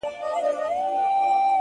خو هغه ليونۍ وايي،